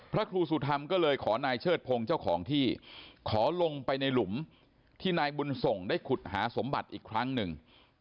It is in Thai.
พระครูสุธรรมก็เลยขอนายเชิดพงศ์เจ้าของที่ขอลงไปในหลุมที่นายบุญส่งได้ขุดหาสมบัติอีกครั้งหนึ่ง